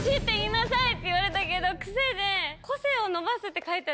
って言われたけど癖で。